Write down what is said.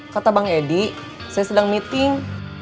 kata bang edi saya sedang meeting